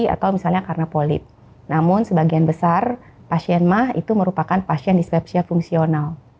atau misalnya karena polip namun sebagian besar pasien mah itu merupakan pasien dispepsia fungsional